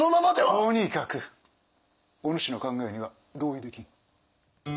とにかくお主の考えには同意できん。